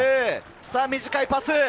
短いパス。